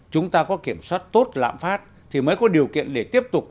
chúng ta có kiểm soát tốt lãm phát thì mới có điều kiện để tiếp tục